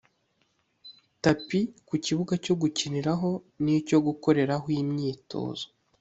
‘tapis’ ku kibuga cyo gukiniraho n’icyo gukoreraho imyitozo